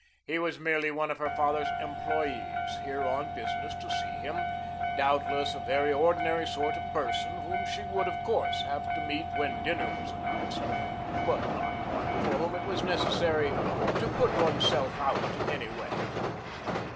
He was merely one of her father's employees here on business to see him, doubtless a very ordinary sort of person whom she would, of course, have to meet when dinner was announced, but not one for whom it was necessary to put oneself out in any way.